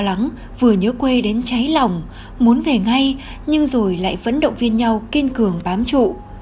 lắng vừa nhớ quê đến cháy lòng muốn về ngay nhưng rồi lại vẫn động viên nhau kiên cường bám trụ